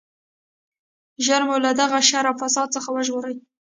ژر مو له دغه شر او فساد څخه وژغورئ.